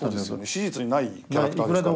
史実にないキャラクターですから。